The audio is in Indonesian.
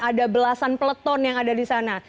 ada belasan peleton yang ada di sana